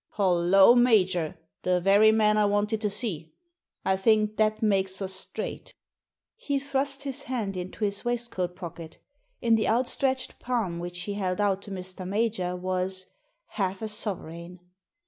" Hollo, Major ! The very man I wanted to see. I think that makes us straight" Digitized by VjOOQIC THE TIPSTER 121 He thrust his hand into his waistcoat pocket In the outstretched palm which he held out to Mr. Major was — ^half a sovereign!